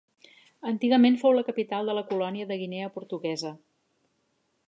Antigament fou la capital de la colònia de Guinea Portuguesa.